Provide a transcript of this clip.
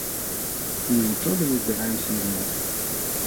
Мы нічога не збіраемся мяняць.